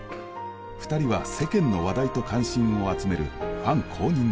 ２人は世間の話題と関心を集めるファン公認の仲。